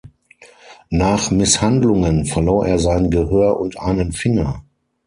Nach Misshandlungen verlor er sein Gehör und einen Finger.